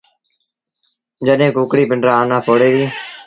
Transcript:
جڏهيݩ ڪڪڙيٚ پنڊرآ آنآ ڦوڙي دي۔